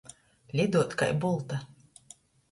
Liduot kai bulta.